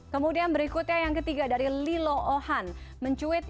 kemudian berikutnya yang ketiga dari lilohan mencuit